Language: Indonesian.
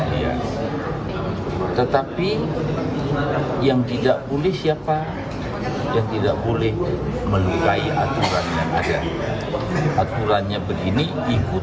jangan bawa yang melakukan intervensi melalui kekuasaan ya jangan lakukan itu